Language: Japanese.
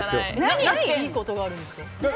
何がいいことがあるんですか？